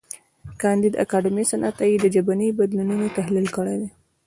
کانديد اکاډميسن عطایي د ژبني بدلونونو تحلیل کړی دی.